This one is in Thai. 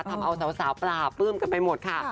ทำเอาสาวปลาปลื้มกันไปหมดค่ะ